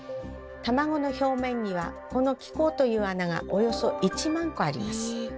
卵の表面にはこの気孔という穴がおよそ１万個あります。